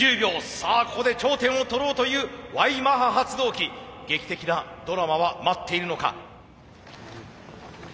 さあここで頂点を取ろうというＹマハ発動機劇的なドラマは待っているのか。